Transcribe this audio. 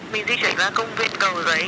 mình di chuyển qua công viên cầu giấy